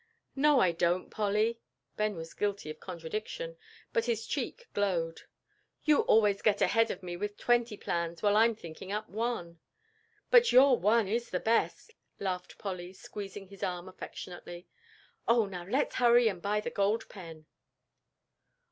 "No, I don't, Polly." Ben was guilty of contradiction, but his cheek glowed. "You always get ahead of me with twenty plans while I'm thinking up one." "But your one is the best," laughed Polly, squeezing his arm affectionately. "Oh, now let's hurry and buy the gold pen."